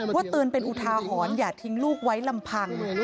ว่าเตือนเป็นอุทาหรณ์อย่าทิ้งลูกไว้ลำพัง